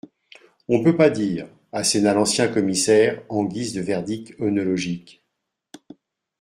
on peut pas dire, asséna l’ancien commissaire en guise de verdict œnologique.